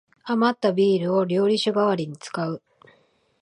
あまったビールを料理酒がわりに使う